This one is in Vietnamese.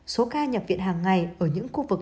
số ca nhập viện hàng ngày ở những khu vực